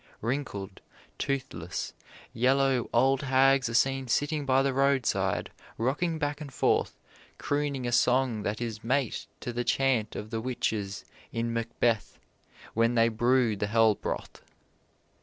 Wrinkled, toothless, yellow old hags are seen sitting by the roadside, rocking back and forth, crooning a song that is mate to the chant of the witches in "Macbeth" when they brew the hellbroth.